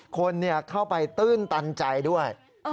คนเข้าไปตื้นตันใจด้วย